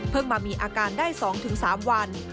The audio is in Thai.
เพิ่งมามีอาการได้๒๓วัน